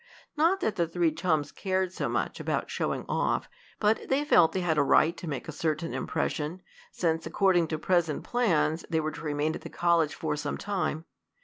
Not that the three chums cared so much about showing off, but they felt they had a right to make a certain impression, since, according to present plans, they were to remain at the college for some time.